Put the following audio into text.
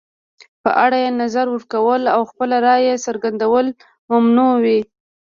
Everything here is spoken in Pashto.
په اړه یې نظر ورکول او خپله رایه څرګندول ممنوع وي.